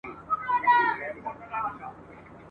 نه د خیر نه د ریشتیا تمه له چا سته !.